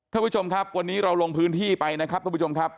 ท่านผู้ชมครับวันนี้เราลงพื้นที่ไปนะครับทุกผู้ชมครับ